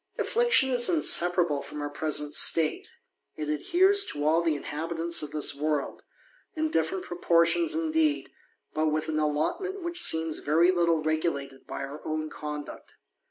Affliction is inseparable from our present state ; it adhere to all the inhabitants of this world, in different proportioi indeed, but with an allotment which seems very litt regulated by our own conduct.